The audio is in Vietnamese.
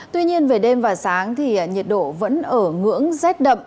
tuy nhiên về đêm và sáng nhiệt độ vẫn ở ngưỡng rất đậm